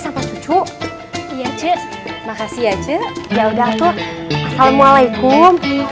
ya cucu ya cet makasih ya cet ya udah aku assalamualaikum